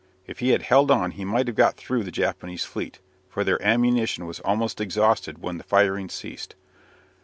If he had held on he might have got through the Japanese fleet, for their ammunition was almost exhausted when the firing ceased.